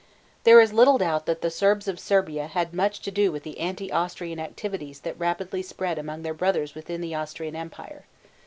There is little doubt that Serbs of Serbia had much to do with the anti Austrian activities that rapidly spread among their brothers within the Austrian Empire.